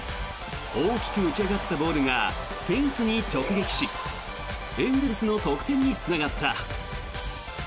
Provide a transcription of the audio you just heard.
大きく打ち上がったボールがフェンスに直撃しエンゼルスの得点につながった。